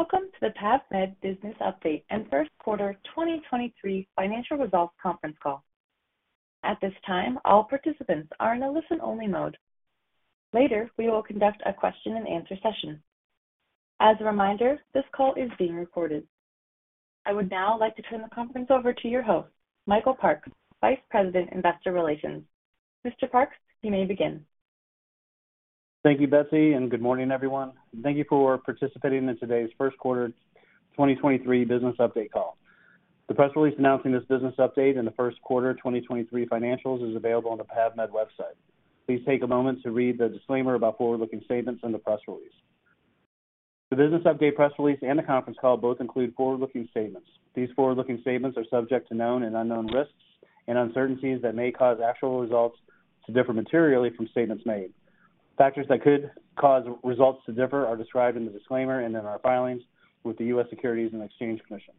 Welcome to the PAVmed Business Update and Q1 2023 Financial Results conference call. At this time, all participants are in a listen-only mode. Later, we will conduct a question-and-answer session. As a reminder, this call is being recorded. I would now like to turn the conference over to your host, Michael Parks, Vice President, Investor Relations. Mr. Parks, you may begin. Thank you, Betsy, and good morning, everyone. Thank you for participating in today's Q1 2023 business update call. The press release announcing this business update and the Q1 2023 financials is available on the PAVmed website. Please take a moment to read the disclaimer about forward-looking statements in the press release. The business update press release and the conference call both include forward-looking statements. These forward-looking statements are subject to known and unknown risks and uncertainties that may cause actual results to differ materially from statements made. Factors that could cause results to differ are described in the disclaimer and in our filings with the U.S. Securities and Exchange Commission.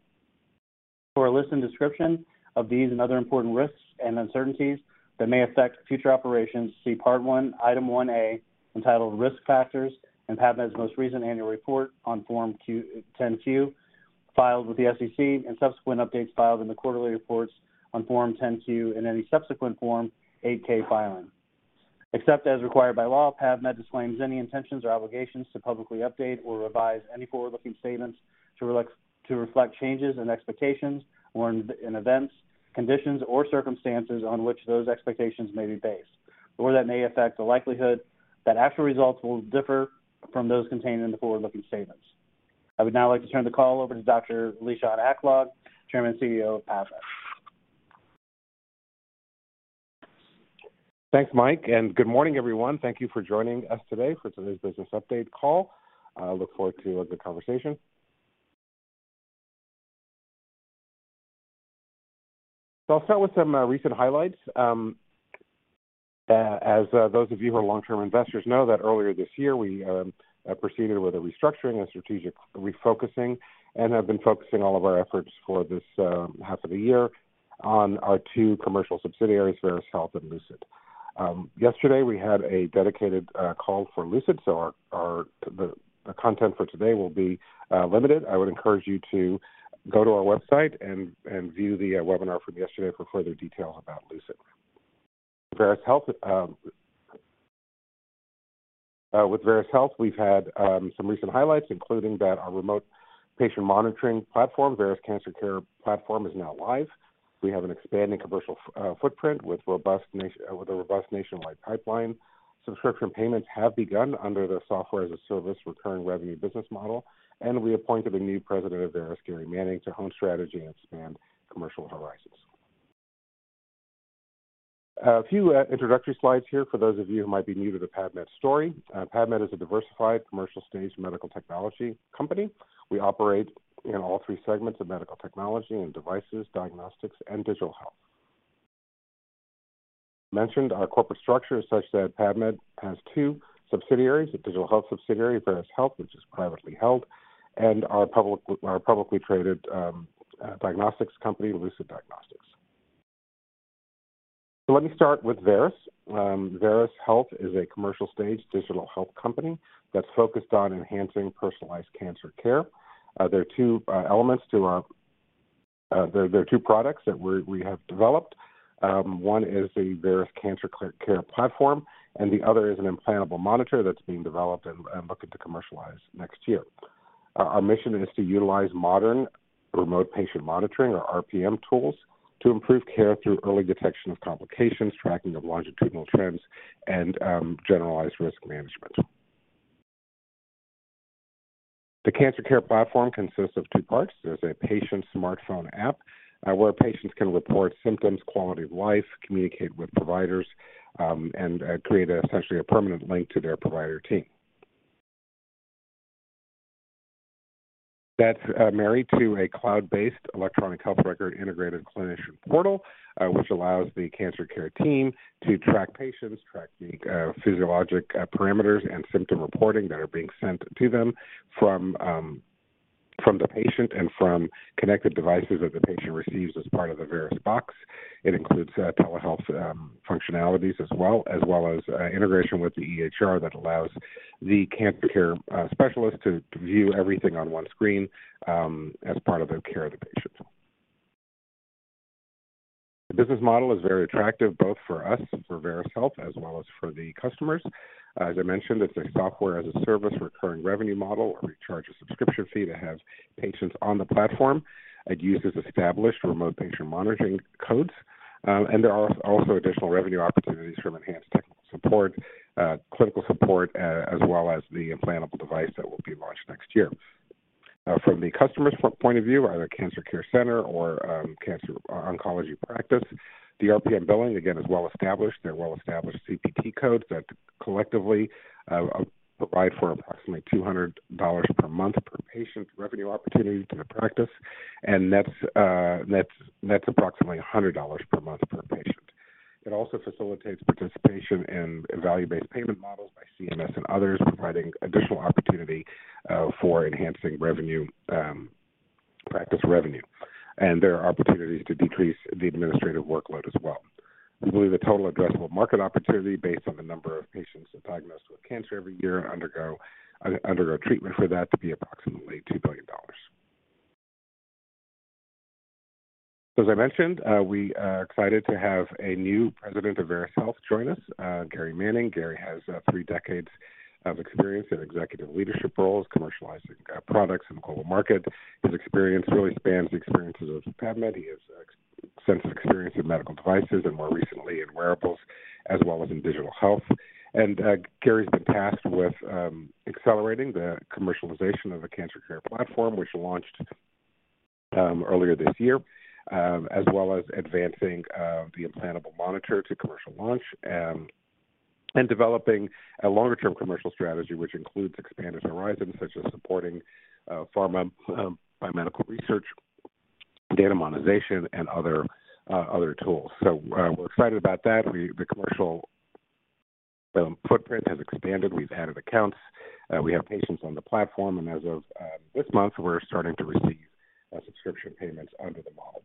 For a list and description of these and other important risks and uncertainties that may affect future operations, see Part One, Item One A, entitled Risk Factors in PAVmed's most recent annual report on Form 10-Q filed with the SEC and subsequent updates filed in the quarterly reports on Form 10-Q in any subsequent Form eight-K filing. Except as required by law, PAVmed disclaims any intentions or obligations to publicly update or revise any forward-looking statements to reflect changes in expectations or in events, conditions, or circumstances on which those expectations may be based, or that may affect the likelihood that actual results will differ from those contained in the forward-looking statements. I would now like to turn the call over to Dr. Lishan Aklog, Chairman and CEO of PAVmed. Thanks, Michael Parks, good morning, everyone. Thank you for joining us today for today's business update call. I look forward to a good conversation. I'll start with some recent highlights. As those of you who are long-term investors know that earlier this year we proceeded with a restructuring and strategic refocusing and have been focusing all of our efforts for this half of the year on our two commercial subsidiaries, Veris Health and Lucid. Yesterday we had a dedicated call for Lucid, our content for today will be limited. I would encourage you to go to our website and view the webinar from yesterday for further details about Lucid. Veris Health. With Veris Health, we've had some recent highlights, including that our remote patient monitoring platform, Veris Cancer Care Platform, is now live. We have an expanding commercial footprint with a robust nationwide pipeline. Subscription payments have begun under the software-as-a-service recurring revenue business model, and we appointed a new President of Veris, Gary Manning, to hone strategy and expand commercial horizons. A few introductory slides here for those of you who might be new to the PAVmed story. PAVmed is a diversified commercial-stage medical technology company. We operate in all three segments of medical technology and devices, diagnostics and digital health. Mentioned our corporate structure is such that PAVmed has two subsidiaries, a digital health subsidiary, Veris Health, which is privately held, and our publicly traded diagnostics company, Lucid Diagnostics. Let me start with Veris. Veris Health is a commercial-stage digital health company that's focused on enhancing personalized cancer care. There are two products that we have developed. One is the Veris Cancer Care Platform, the other is an implantable monitor that's being developed and looking to commercialize next year. Our mission is to utilize modern remote patient monitoring or RPM tools to improve care through early detection of complications, tracking of longitudinal trends, and generalized risk management. The cancer care platform consists of two parts. There's a patient smartphone app, where patients can report symptoms, quality of life, communicate with providers, and create essentially a permanent link to their provider team. That's married to a cloud-based electronic health record integrated clinician portal, which allows the cancer care team to track patients, track the physiologic parameters and symptom reporting that are being sent to them from the patient and from connected devices that the patient receives as part of the Veris box. It includes telehealth functionalities as well, as well as integration with the EHR that allows the cancer care specialist to view everything on one screen, as part of their care of the patient. The business model is very attractive, both for us, for Veris Health, as well as for the customers. As I mentioned, it's a software as a service recurring revenue model where we charge a subscription fee that has patients on the platform. It uses established remote patient monitoring codes, and there are also additional revenue opportunities from enhanced technical support, clinical support, as well as the implantable device that will be launched next year. From the customer's point of view, either cancer care center or cancer or oncology practice, the RPM billing again is well established. They're well established CPT codes that collectively provide for approximately $200 per month per patient revenue opportunity to the practice, and that's approximately $100 per month per patient. It also facilitates participation in value-based payment models by CMS and others, providing additional opportunity for enhancing revenue, Practice revenue, and there are opportunities to decrease the administrative workload as well. We believe the total addressable market opportunity based on the number of patients diagnosed with cancer every year undergo treatment for that to be approximately $2 billion. As I mentioned, we are excited to have a new president of Veris Health join us, Gary Manning. Gary has three decades of experience in executive leadership roles, commercializing products in global markets. His experience really spans the experiences of PAVmed. He has extensive experience in medical devices and more recently in wearables as well as in digital health. Gary's been tasked with accelerating the commercialization of the Veris Cancer Care Platform, which launched earlier this year, as well as advancing the Veris implantable monitor to commercial launch, and developing a longer-term commercial strategy, which includes expanded horizons such as supporting pharma, biomedical research, data monetization, and other tools. We're excited about that. The commercial footprint has expanded. We've added accounts, we have patients on the platform, and as of this month, we're starting to receive subscription payments under the model.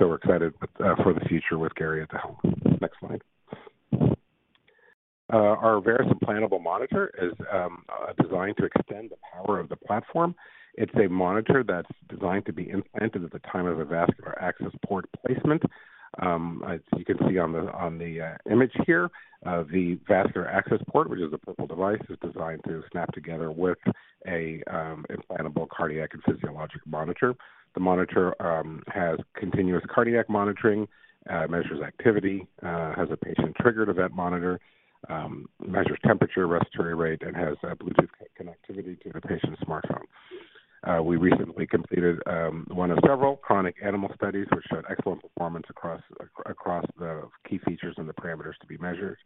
We're excited but for the future with Gary at the helm. Next slide. Our Veris implantable monitor is designed to extend the power of the platform. It's a monitor that's designed to be implanted at the time of a vascular access port placement. As you can see on the image here, the vascular access port, which is the purple device, is designed to snap together with an implantable cardiac and physiologic monitor. The monitor has continuous cardiac monitoring, measures activity, has a patient-triggered event monitor, measures temperature, respiratory rate, and has Bluetooth connectivity to the patient's smartphone. We recently completed one of several chronic animal studies which showed excellent performance across the key features and the parameters to be measured.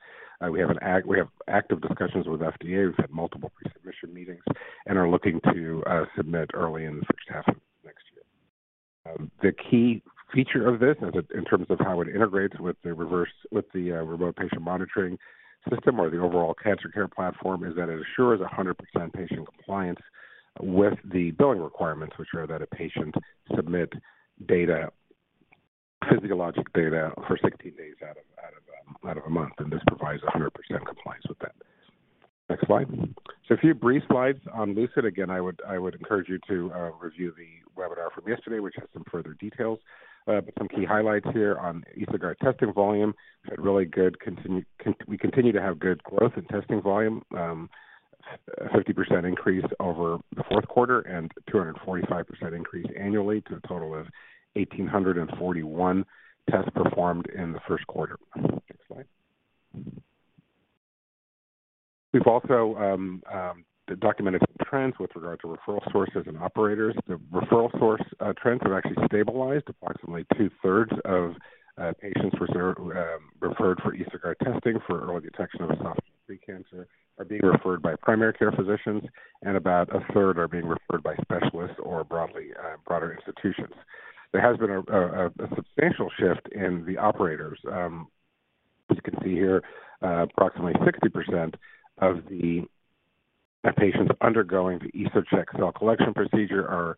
We have active discussions with FDA. We've had multiple pre-submission meetings and are looking to submit early in the first half of next year. The key feature of this is in terms of how it integrates with the remote patient monitoring system or the overall cancer care platform, is that it assures 100% patient compliance with the billing requirements, which are that a patient submit data, physiologic data for 16 days out of a month, and this provides 100% compliance with that. Next slide. A few brief slides on Lucid. Again, I would encourage you to review the webinar from yesterday, which has some further details. Some key highlights here on EsoGuard testing volume. We continue to have good growth in testing volume. Fifty percent increase over the fourth quarter and 245% increase annually to a total of 1,841 tests performed in the first quarter. Next slide. We've also documented trends with regard to referral sources and operators. The referral source trends have actually stabilized. Approximately two-thirds of patients referred for EsoGuard testing for early detection of esophageal precancer are being referred by primary care physicians, and about a third are being referred by specialists or broadly broader institutions. There has been a substantial shift in the operators. As you can see here, approximately 60% of the patients undergoing the EsoCheck cell collection procedure are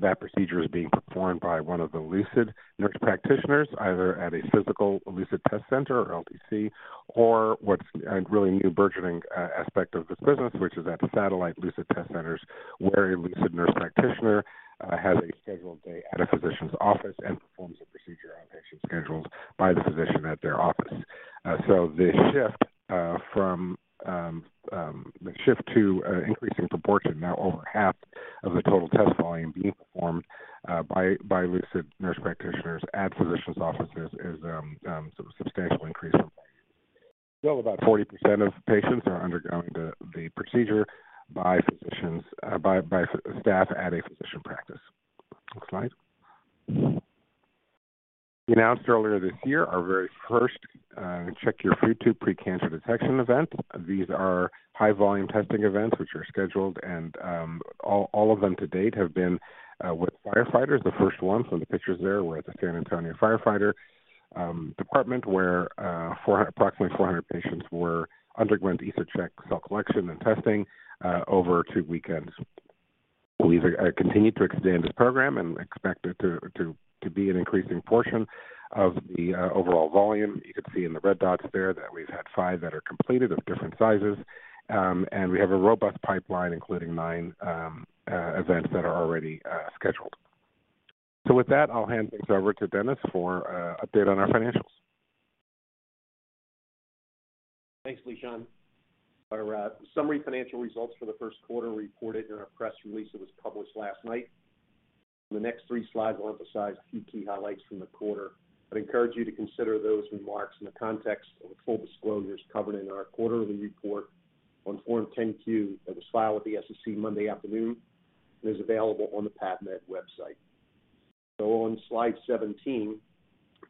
that procedure is being performed by 1 of the Lucid nurse practitioners, either at a physical Lucid test center or LTC or what's a really new burgeoning aspect of this business, which is at the satellite Lucid test centers where a Lucid nurse practitioner has a scheduled day at a physician's office and performs the procedure on patient schedules by the physician at their office. The shift to an increasing proportion, now over half of the total test volume being performed by Lucid nurse practitioners at physicians' offices is a substantial increase from that. Still, about 40% of patients are undergoing the procedure by physicians, by staff at a physician practice. Next slide. We announced earlier this year our very first, Check Your Food Tube precancer detection event. These are high volume testing events which are scheduled, and all of them to date have been with firefighters. The first one from the pictures there were at the San Antonio Fire Department, where, approximately 400 patients underwent EsoCheck cell collection and testing, over second weekends. We've continued to expand this program and expect it to be an increasing portion of the overall volume. You could see in the red dots there that we've had five that are completed of different sizes. And we have a robust pipeline, including nine events that are already scheduled. With that, I'll hand things over to Dennis for an update on our financials. Thanks, Lishan. Our summary financial results for the first quarter were reported in our press release that was published last night. The next three slides will emphasize a few key highlights from the quarter. I'd encourage you to consider those remarks in the context of the full disclosures covered in our quarterly report on Form 10-Q that was filed with the SEC Monday afternoon and is available on the PAVmed website. On slide 17,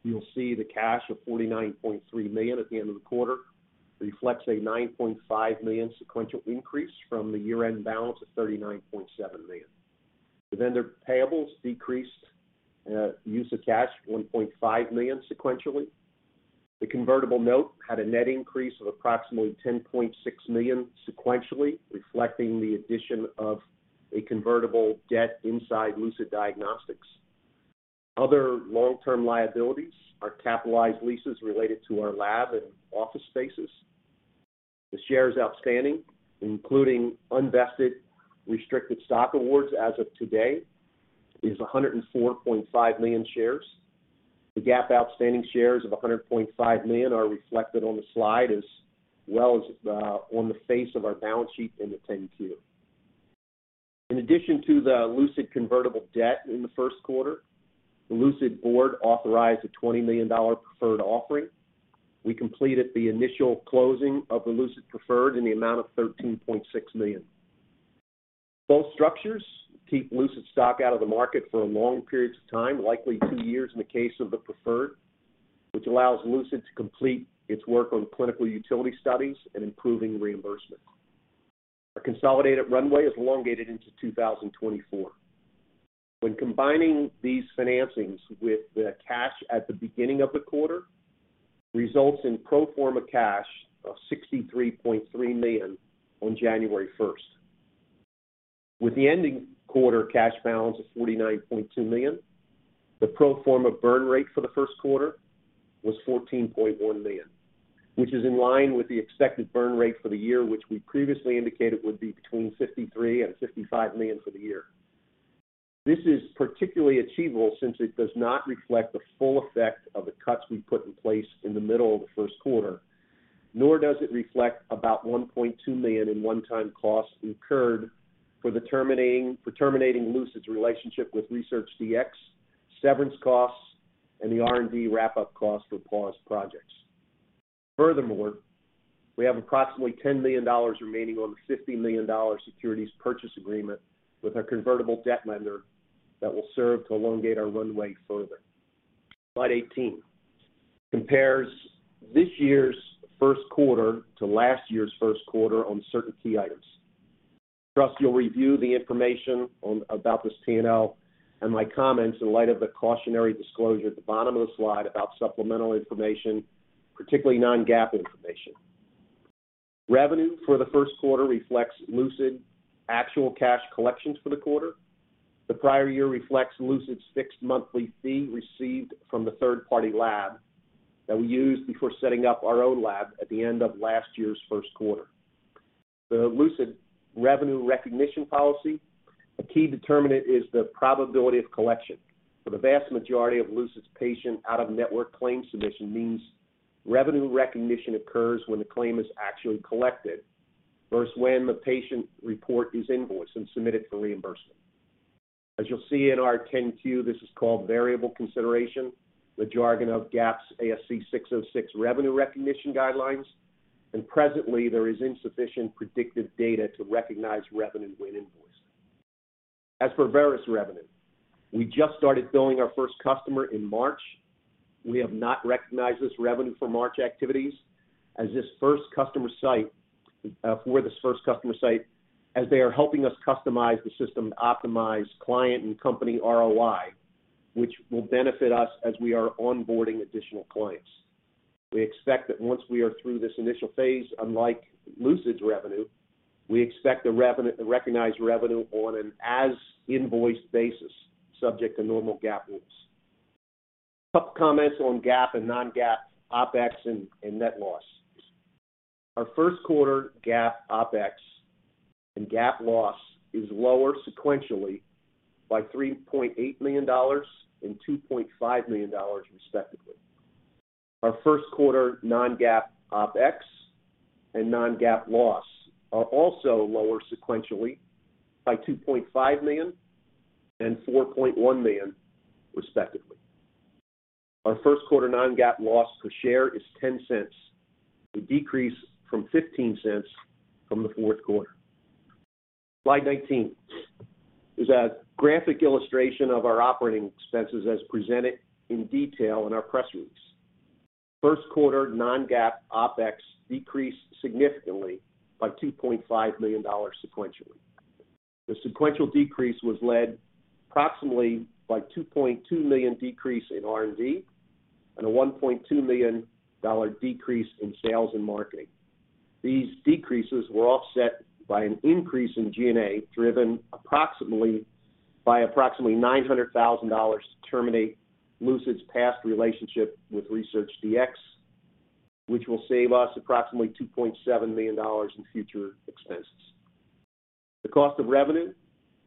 you'll see the cash of $49.3 million at the end of the quarter reflects a $9.5 million sequential increase from the year-end balance of $39.7 million. The vendor payables decreased use of cash $1.5 million sequentially. The convertible note had a net increase of approximately $10.6 million sequentially, reflecting the addition of a convertible debt inside Lucid Diagnostics. Other long-term liabilities are capitalized leases related to our lab and office spaces. The shares outstanding, including unvested restricted stock awards as of today, is 104.5 million shares. The GAAP outstanding shares of 100.5 million are reflected on the slide as well as on the face of our balance sheet in the 10-Q. In addition to the Lucid convertible debt in the first quarter, the Lucid board authorized a $20 million preferred offering. We completed the initial closing of the Lucid preferred in the amount of $13.6 million. Both structures keep Lucid stock out of the market for long periods of time, likely two years in the case of the preferred, which allows Lucid to complete its work on clinical utility studies and improving reimbursement. Our consolidated runway is elongated into 2024. When combining these financings with the cash at the beginning of the Q1, results in pro forma cash of $63.3 million on January 1st. With the ending quarter cash balance of $49.2 million, the pro forma burn rate for the 1st quarter was $14.1 million, which is in line with the expected burn rate for the year, which we previously indicated would be between $53 million and $55 million for the year. This is particularly achievable since it does not reflect the full effect of the cuts we put in place in the middle of the Q1, nor does it reflect about $1.2 million in one-time costs we incurred for terminating Lucid's relationship with ResearchDx, severance costs, and the R&D wrap-up costs for paused projects. Furthermore, we have approximately $10 million remaining on the $50 million securities purchase agreement with our convertible debt lender that will serve to elongate our runway further. Slide 18 compares this year's Q1 to last year's Q1 on certain key items. Trust you'll review the information about this P&L and my comments in light of the cautionary disclosure at the bottom of the slide about supplemental information, particularly non-GAAP information. Revenue for the Q1 reflects Lucid actual cash collections for the quarter. The prior year reflects Lucid's fixed monthly fee received from the third-party lab that we used before setting up our own lab at the end of last year's Q1. The Lucid revenue recognition policy, a key determinant is the probability of collection. For the vast majority of Lucid's patient out-of-network claim submission means revenue recognition occurs when the claim is actually collected versus when the patient report is invoiced and submitted for reimbursement. As you'll see in our 10-Q, this is called variable consideration, the jargon of GAAP's ASC 606 revenue recognition guidelines. Presently, there is insufficient predictive data to recognize revenue when invoiced. As for Veris revenue, we just started billing our first customer in March. We have not recognized this revenue for March activities as this first customer site, as they are helping us customize the system to optimize client and company ROI, which will benefit us as we are onboarding additional clients. We expect that once we are through this initial phase, unlike Lucid's revenue, we expect the recognized revenue on an as invoiced basis, subject to normal GAAP rules. A couple comments on GAAP and non-GAAP OpEx and net loss. Our first quarter GAAP OpEx and GAAP loss is lower sequentially by $3.8 million and $2.5 million, respectively. Our first quarter non-GAAP OpEx and non-GAAP loss are also lower sequentially by $2.5 million and $4.1 million, respectively. Our first quarter non-GAAP loss per share is $0.10, a decrease from $0.15 from the fourth quarter. Slide 19 is a graphic illustration of our operating expenses as presented in detail in our press release. First quarter non-GAAP OpEx decreased significantly by $2.5 million sequentially. The sequential decrease was led approximately by $2.2 million decrease in R&D and a $1.2 million decrease in sales and marketing. These decreases were offset by an increase in G&A, driven approximately by $900,000 to terminate Lucid's past relationship with ResearchDx, which will save us approximately $2.7 million in future expenses. The cost of revenue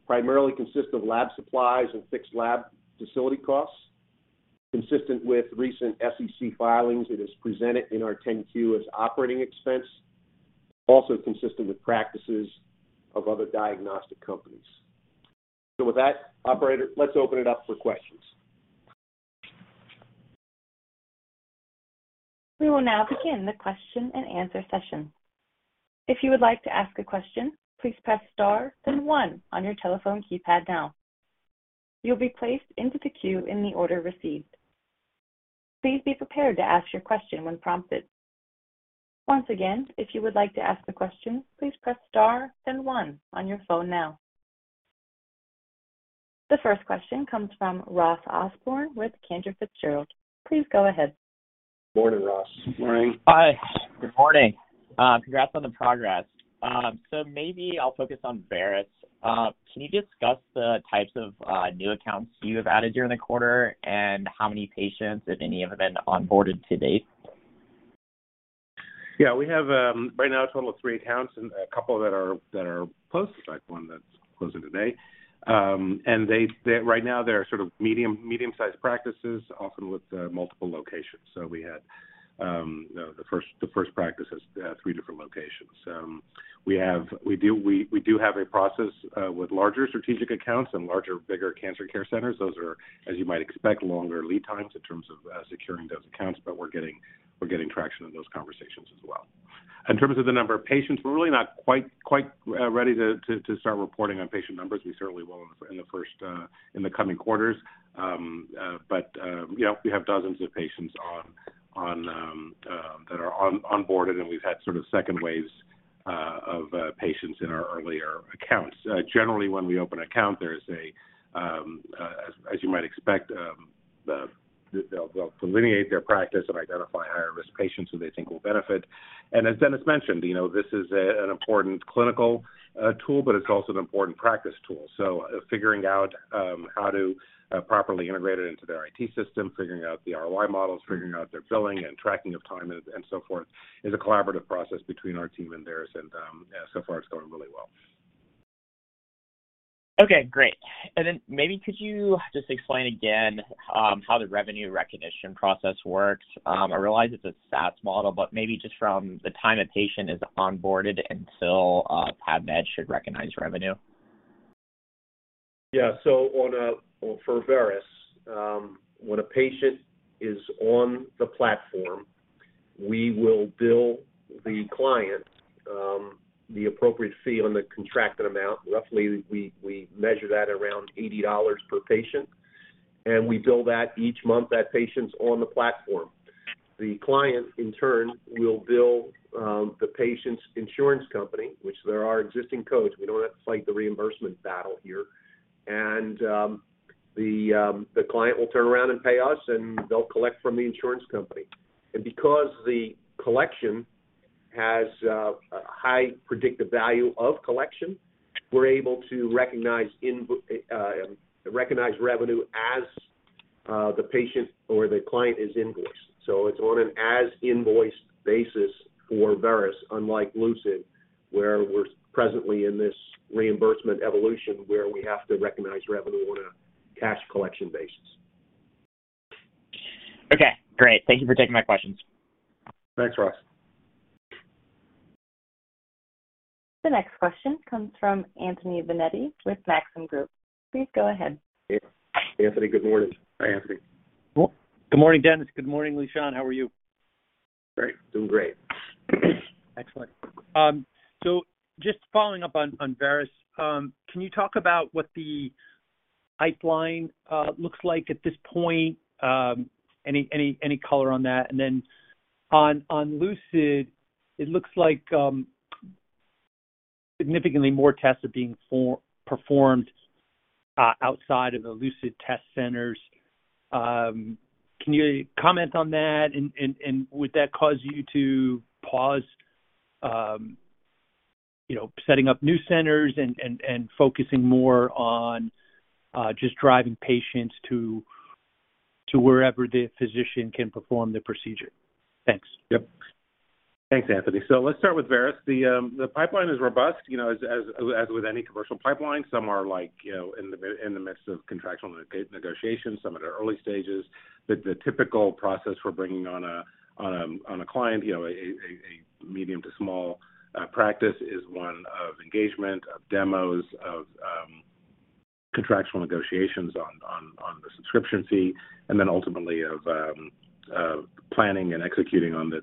primarily consists of lab supplies and fixed lab facility costs. Consistent with recent SEC filings, it is presented in our 10-Q as operating expense, also consistent with practices of other diagnostic companies. With that, operator, let's open it up for questions. We will now begin the question and answer session. If you would like to ask a question, please press star then one on your telephone keypad now. You'll be placed into the queue in the order received. Please be prepared to ask your question when prompted. Once again, if you would like to ask a question, please press star then one on your phone now. The first question comes from Ross Osborn with Cantor Fitzgerald. Please go ahead. Morning, Ross. Morning. Hi, good morning. Congrats on the progress. Maybe I'll focus on Veris. Can you discuss the types of new accounts you have added during the quarter and how many patients, if any, have been onboarded to date? Yeah. We have right now a total of three accounts and a couple that are close, in fact one that's closing today. Right now they're sort of medium-sized practices, often with multiple locations. We had the first practice has three different locations. We do have a process with larger strategic accounts and bigger cancer care centers. Those are, as you might expect, longer lead times in terms of securing those accounts, but we're getting traction in those conversations as well. In terms of the number of patients, we're really not quite ready to start reporting on patient numbers. We certainly will in the first in the coming quarters. Yeah, we have dozens of patients on that are onboarded, and we've had sort of second waves of patients in our earlier accounts. Generally, when we open an account, there's as you might expect, they'll delineate their practice and identify higher risk patients who they think will benefit. As Dennis mentioned, you know, this is an important clinical tool, but it's also an important practice tool. Figuring out how to properly integrate it into their IT system, figuring out the ROI models, figuring out their billing and tracking of time and so forth is a collaborative process between our team and theirs. So far it's going really well. Okay, great. Then maybe could you just explain again how the revenue recognition process works? I realize it's a SaaS model, but maybe just from the time a patient is onboarded until PAVmed should recognize revenue. For Veris, when a patient is on the platform, we will bill the client the appropriate fee on the contracted amount. Roughly, we measure that around $80 per patient, and we bill that each month that patient's on the platform. The client in turn will bill the patient's insurance company, which there are existing codes. We don't have to fight the reimbursement battle here. The client will turn around and pay us, and they'll collect from the insurance company. Because the collection has a high predictive value of collection, we're able to recognize revenue as the patient or the client is invoiced. It's on an as invoiced basis for Veris, unlike Lucid, where we're presently in this reimbursement evolution where we have to recognize revenue on a cash collection basis. Okay, great. Thank you for taking my questions. Thanks, Ross. The next question comes from Anthony Vendetti with Maxim Group. Please go ahead. Anthony, good morning. Hi, Anthony. Good morning, Dennis. Good morning, Lishan. How are you? Great. Doing great. Excellent. So just following up on Veris, can you talk about what the pipeline looks like at this point? Any color on that? Then on Lucid, it looks like significantly more tests are being performed outside of the Lucid test centers. Can you comment on that? Would that cause you to pause, you know, setting up new centers and focusing more on just driving patients to wherever the physician can perform the procedure? Thanks. Yep. Thanks, Anthony. Let's start with Veris. The pipeline is robust. You know, as with any commercial pipeline, some are like, you know, in the midst of contractual negotiations, some are at early stages. The typical process we're bringing on a client, you know, a medium to small practice is one of engagement, of demos, of contractual negotiations on the subscription fee, and then ultimately of planning and executing on the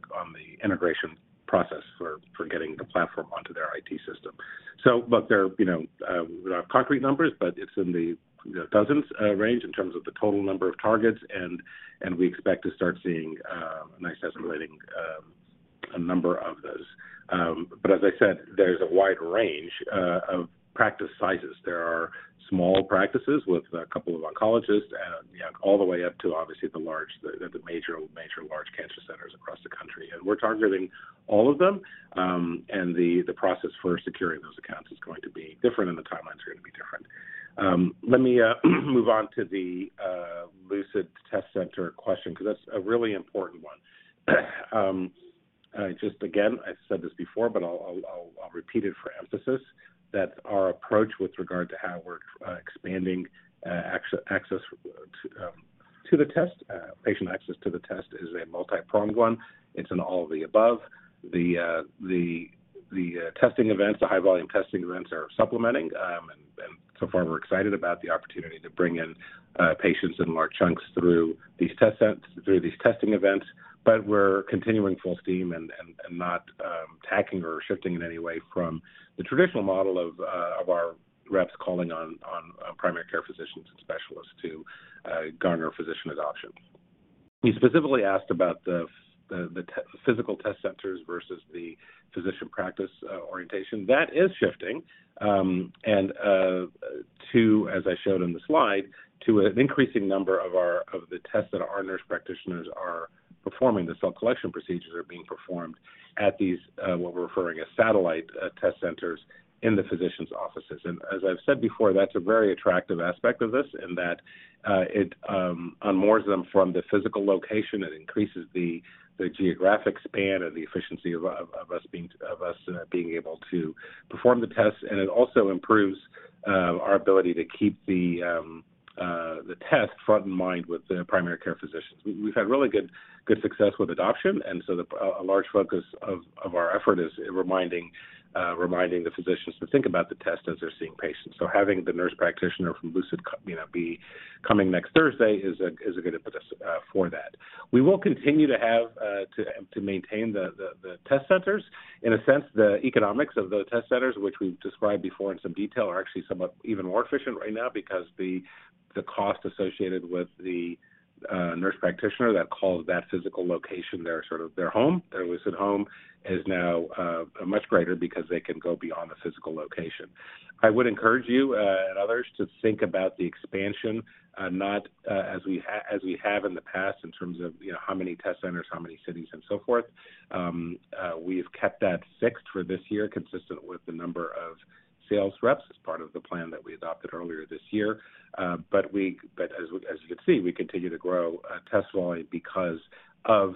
integration process for getting the platform onto their IT system. But there are, you know, without concrete numbers, but it's in the dozens range in terms of the total number of targets. We expect to start seeing a nice escalating number of those. but as I said, there's a wide range of practice sizes. There are small practices with a couple of oncologists and, you know, all the way up to obviously the large, the major large cancer centers across the country. We're targeting all of them, and the process for securing those accounts is going to be different and the timelines are gonna be different. Let me move on to the Lucid Test Center question 'cause that's a really important one. just again, I said this before, but I'll repeat it for emphasis, that our approach with regard to how we're expanding access to the test, patient access to the test is a multipronged one. It's an all of the above. The testing events, the high volume testing events are supplementing. So far we're excited about the opportunity to bring in patients in large chunks through these testing events. We're continuing full steam and not tacking or shifting in any way from the traditional model of our reps calling on primary care physicians and specialists to garner physician adoption. You specifically asked about the physical test centers versus the physician practice orientation. That is shifting, to, as I showed on the slide, to an increasing number of our, of the tests that our nurse practitioners are performing, the cell collection procedures are being performed at these, what we're referring as satellite, test centers in the physician's offices. As I've said before, that's a very attractive aspect of this in that, it unmoors them from the physical location and increases the geographic span and the efficiency of us being able to perform the tests. It also improves our ability to keep the test front in mind with the primary care physicians. We've had really good success with adoption, and so a large focus of our effort is reminding the physicians to think about the test as they're seeing patients. Having the nurse practitioner from Lucid you know, be coming next Thursday is a good impetus for that. We will continue to have to maintain the test centers. In a sense, the economics of the test centers, which we've described before in some detail, are actually somewhat even more efficient right now because the cost associated with the nurse practitioner that calls that physical location their sort of their home, their Lucid home, is now much greater because they can go beyond the physical location.I would encourage you and others to think about the expansion, not as we have in the past in terms of, you know, how many test centers, how many cities, and so forth. We've kept that fixed for this year, consistent with the number of sales reps as part of the plan that we adopted earlier this year. We... As you can see, we continue to grow test volume because of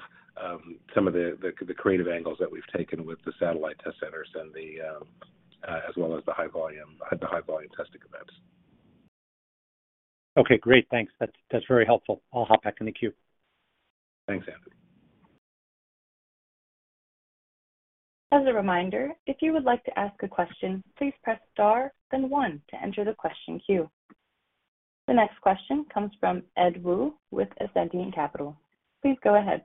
some of the creative angles that we've taken with the satellite test centers and the high volume testing events. Okay, great. Thanks. That's very helpful. I'll hop back in the queue. Thanks, Andrew. As a reminder, if you would like to ask a question, please press star then one to enter the question queue. The next question comes fromEd Woo with Ascendiant Capital. Please go ahead.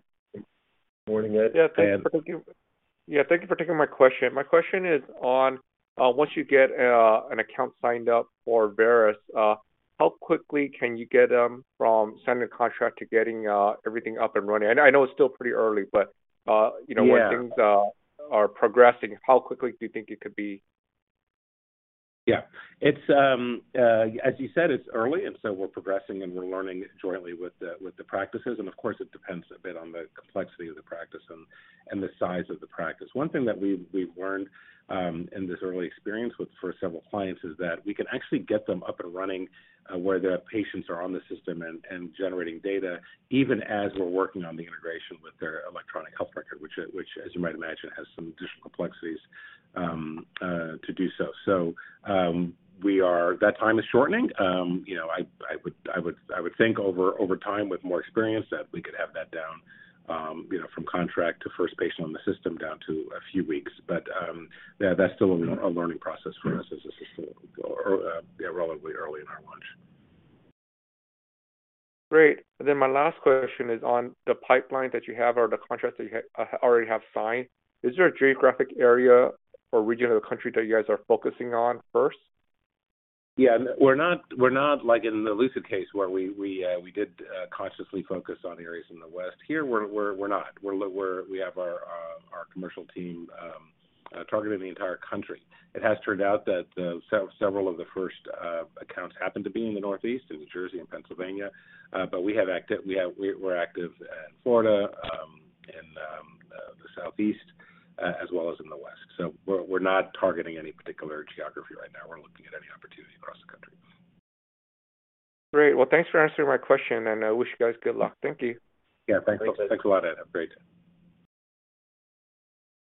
Morning, Ed. Yeah, thank you for taking my question. My question is on once you get an account signed up for Veris, how quickly can you get from signing the contract to getting everything up and running? I know it's still pretty early, but, you know. Yeah. When things, are progressing, how quickly do you think it could be? Yeah. It's, as you said, it's early, we're progressing, and we're learning jointly with the practices. Of course, it depends a bit on the complexity of the practice and the size of the practice. One thing that we've learned in this early experience with, for several clients is that we can actually get them up and running where the patients are on the system and generating data even as we're working on the integration with their electronic health record, which as you might imagine, has some additional complexities to do so. That time is shortening. You know, I would think over time with more experience that we could have that down, you know, from contract to first patient on the system down to a few weeks. Yeah, that's still a learning process for us as this is still relatively early in our launch. Great. My last question is on the pipeline that you have or the contracts that you already have signed. Is there a geographic area or region of the country that you guys are focusing on first? Yeah. We're not, we're not like in the Lucid case where we did consciously focus on areas in the West. Here, we're not. We're, we have our commercial team targeting the entire country. It has turned out that several of the first accounts happen to be in the Northeast, in New Jersey and Pennsylvania. We have active, we're active in Florida, in the Southeast, as well as in the West. We're not targeting any particular geography right now. We're looking at any opportunity across the country. Great. Well, thanks for answering my question. I wish you guys good luck. Thank you. Yeah, thanks a lot. Thanks, Ed. Thanks a lot, Ed. Have a great day.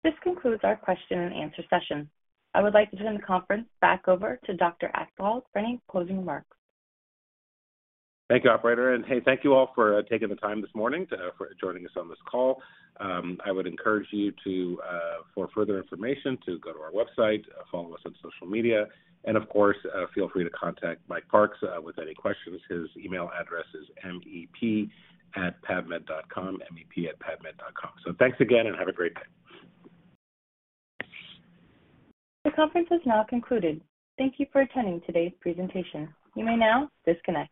This concludes our question and answer session. I would like to turn the conference back over to Dr. Aklog for any closing remarks. Thank you, operator. Hey, thank you all for taking the time this morning to for joining us on this call. I would encourage you to for further information, to go to our website, follow us on social media, and of course, feel free to contact Mike Parks with any questions. His email address is mep@pavmed.com, mep@pavmed.com. Thanks again, and have a great day. The conference has now concluded. Thank you for attending today's presentation. You may now disconnect.